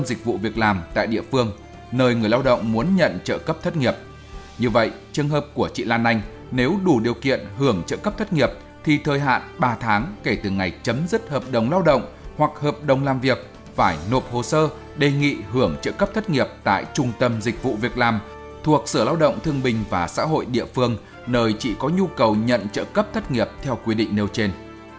vì vậy những người lao động này nếu giao kết hợp đồng lao động hoặc hợp đồng làm việc theo quy định nêu trên